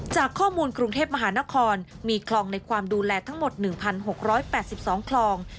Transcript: จากข้อมูลกรุงเทพมหานครมีคลองในความดูแลทั้งหมด๑๖๘๒คลอง